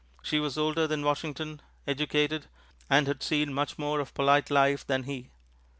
She was older than Washington, educated, and had seen much more of polite life than he.